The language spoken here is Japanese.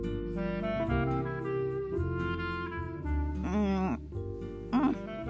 うんうん。